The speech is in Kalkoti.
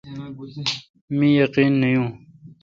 مہ یقین نہ یون۔